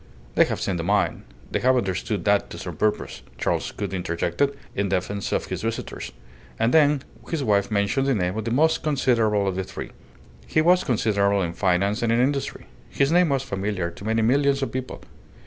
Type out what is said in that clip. "They have seen the mine. They have understood that to some purpose," Charles Gould interjected, in defence of the visitors; and then his wife mentioned the name of the most considerable of the three. He was considerable in finance and in industry. His name was familiar to many millions of people.